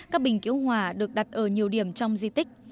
các bình kiểu hòa được đặt ở nhiều điểm trong di tích